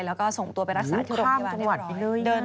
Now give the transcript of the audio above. แล้วก็ส่งตัวไปรักษาที่ภูมิบ้านได้ปร้อย